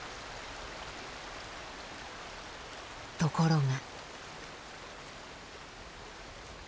ところが。